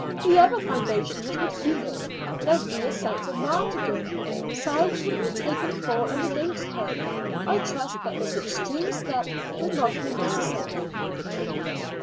The other foundationers would feel it; there would be a sense of martyrdom. Sides would be taken for and against her. I trust that this extreme step will not be necessary."